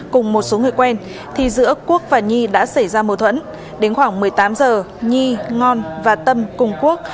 cùng một số người quen thì giữa quốc và nhi đã xảy ra mâu thuẫn đến khoảng một mươi tám h nhi ngon và tâm cùng quốc